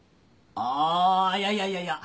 あいやいやいやいや。